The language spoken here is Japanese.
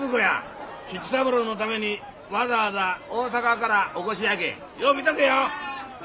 菊三郎のためにわざわざ大阪からお越しやけんよう見とけよ！